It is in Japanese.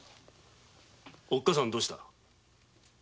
おっ母さんはどうした？